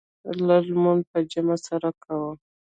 لږ لمونځ په جمع سره کوه.